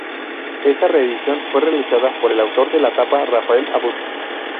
Esta reedición fue realizada por el autor de la tapa, Rafael Abud.